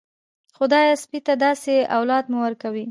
خدايه سپي ته داسې اولاد مه ورکوې.